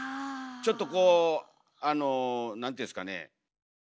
ちょっとこうあのなんていうんですかね。